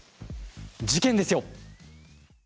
事件ですよ。